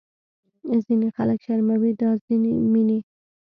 ځینې خلک شرموي دا ځینې مینې